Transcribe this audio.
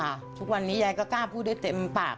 ทุกวันนี้ยายก็กล้าพูดได้เต็มปาก